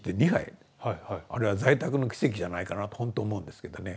あれは在宅の奇跡じゃないかなとほんと思うんですけどね。